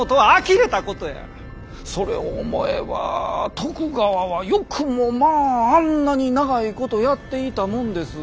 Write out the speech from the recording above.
それを思えば徳川はよくもまぁあんなに長いことやっていたもんです。